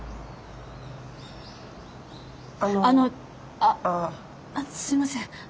あっすいません。